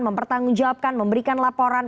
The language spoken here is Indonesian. mempertanggungjawabkan memberikan laporan